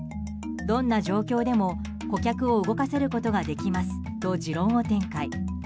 どんな状況でも顧客を動かせることができますと持論を展開。